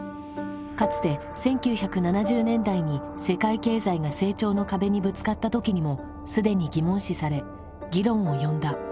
かつて１９７０年代に世界経済が成長の壁にぶつかった時にも既に疑問視され議論を呼んだ。